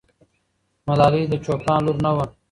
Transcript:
ملالۍ د چوپان لور نه وه.